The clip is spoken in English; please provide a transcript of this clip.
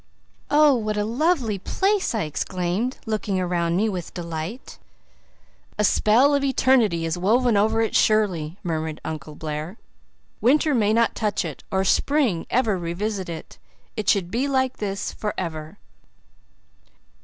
"Oh, what a lovely place!" I exclaimed, looking around me with delight. "A spell of eternity is woven over it, surely," murmured Uncle Blair. "Winter may not touch it, or spring ever revisit it. It should be like this for ever."